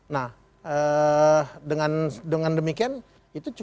nah dengan demikian itu cukup